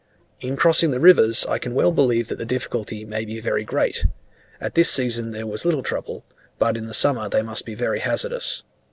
In crossing the rivers I can well believe that the difficulty may be very great: at this season there was little trouble, but in the summer they must be very hazardous.